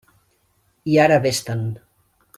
I ara vés-te'n.